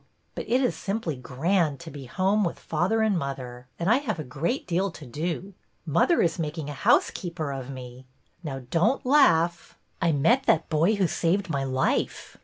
But it is simply grand to be home with father and mother, and I have a great deal to do. Mother is making a housekeeper of me! Now don't laugh! I met that boy who saved my life!